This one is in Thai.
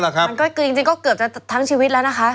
จริงก็เกือบจะทั้งชีวิตแล้วนะคะ